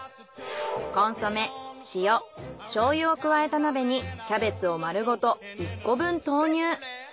コンソメ塩醤油を加えた鍋にキャベツを丸ごと１個分投入。